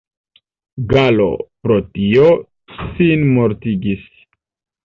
Gallo pro tio sinmortigis.